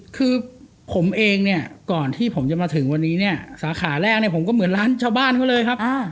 คือผมเองก่อนที่ผมจะมาถึงวันนี้สาขาแรกผมก็เหมือนร้านชาวบ้านก็เลยครับ